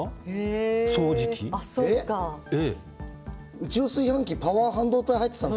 うちの炊飯器パワー半導体入ってたんですか？